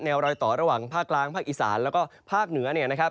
รอยต่อระหว่างภาคกลางภาคอีสานแล้วก็ภาคเหนือเนี่ยนะครับ